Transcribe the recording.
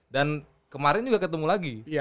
dan kemarin juga ketemu lagi